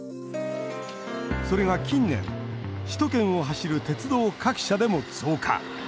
それが近年首都圏を走る鉄道各社でも増加。